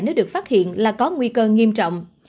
nếu được phát hiện là có nguy cơ nghiêm trọng